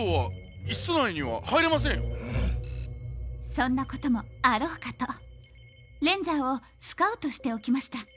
そんなこともあろうかとレンジャーをスカウトしておきました。